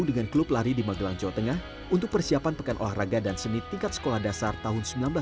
dan juga perang yang terjadi di sejarah